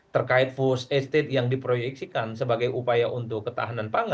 terkait food estate yang diproyeksikan sebagai upaya untuk ketahanan pangan